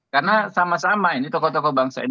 karena sama sama ini tokoh tokoh bangsa ini